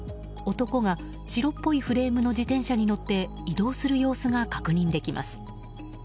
男が、白っぽいフレームの自転車に乗って移動する様子が確認できます。